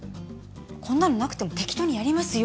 こんなのなくても適当にやりますよ